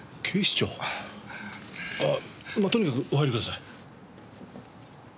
まあとにかくお入りください。